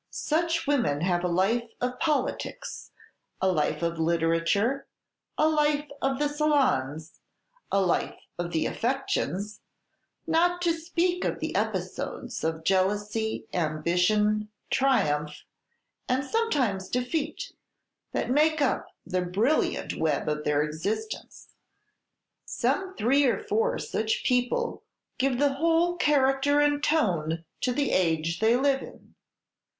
Such women have a life of politics, a life of literature, a life of the salons, a life of the affections, not to speak of the episodes of jealousy, ambition, triumph, and sometimes defeat, that make up the brilliant web of their existence. Some three or four such people give the whole character and tone to the age they live in.